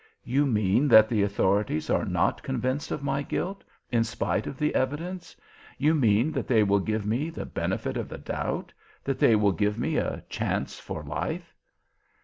You mean that the authorities are not convinced of my guilt, in spite of the evidence? You mean that they will give me the benefit of the doubt that they will give me a chance for life?"